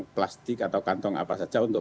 plastik atau kantong apa saja untuk